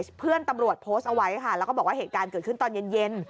เพื่อนตำรวจโพสต์เอาไว้ค่ะแล้วก็บอกว่าเหตุการณ์เกิดขึ้นตอนเย็น